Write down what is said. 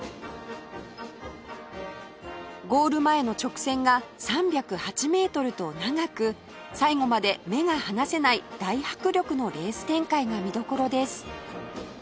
ゴール前の直線が３０８メートルと長く最後まで目が離せない大迫力のレース展開が見どころです